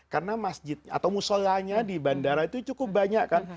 karena masjid atau musolahnya di bandara itu cukup banyak kan